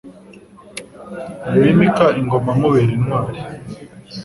Mwimika ingoma Mubera intwari.